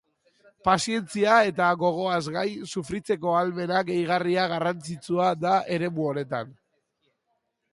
Pazientzia eta gogoaz gain sufritzeko ahalmena gehigarria garrantzisua da eremu honetan.